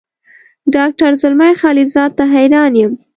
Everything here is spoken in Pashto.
ډاکټر زلمي خلیلزاد ته حیران یم.